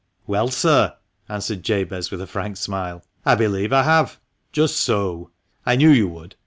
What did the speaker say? " "Well, sir," answered Jabez with a frank smile, "I believe I have." " Just so ! I knew you would.